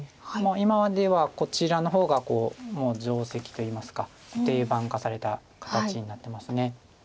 今まではこちらの方がもう定石といいますか定番化された形になってます。